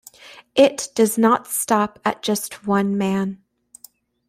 It does not stop at just one man.